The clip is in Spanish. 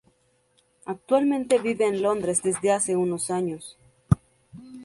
Actualmente vive en Londres, desde hace unos años.